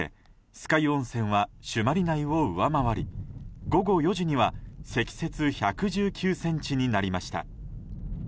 酸ヶ湯温泉は朱鞠内を上回り午後４時には積雪１１９ｃｍになりました。